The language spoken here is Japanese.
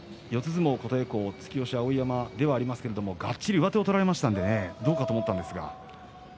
相撲、琴恵光突き押し、碧山でありますががっちり上手を取られましたのでどうかと思いましたが。